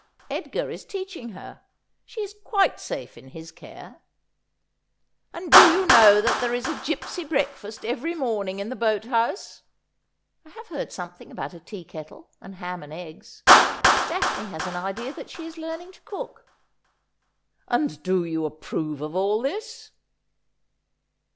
Edgar is teaching her ; she is quite safe in his care.' ' And do you know that there is a gipsy breakfast every morning in the boat house ?'' I have heard something about a tea kettle, and ham and eggs. Daphne has an idea that she is learning to cook.' ' And do you approve of all this